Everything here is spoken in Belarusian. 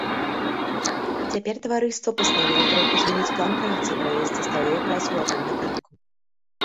Цяпер таварыства пастанавіла троху змяніць план працы і правесці сталую працу ў адным напрамку.